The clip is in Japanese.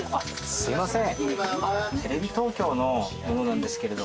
すみません。